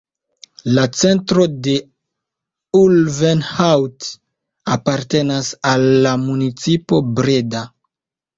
La centro de Ulvenhout apartenas al la municipo Breda.